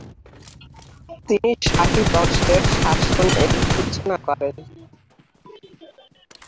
তিনি শাহী বংশের শাসন এর সূচনা করেন।